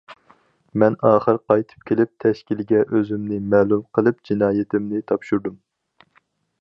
مەن ئاخىر قايتىپ كېلىپ تەشكىلگە ئۆزۈمنى مەلۇم قىلىپ، جىنايىتىمنى تاپشۇردۇم.